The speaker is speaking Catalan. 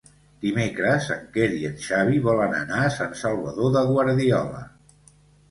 Dimecres en Quer i en Xavi volen anar a Sant Salvador de Guardiola.